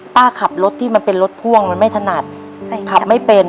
ป้าขับรถที่มันเป็นรถพ่วงมันไม่ถนัดขับไม่เป็น